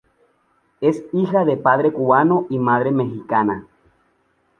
Es hija de padre cubano y madre mexicana.